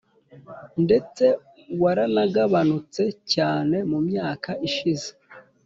ndetse waranagabanutse cyane mu myaka ishize.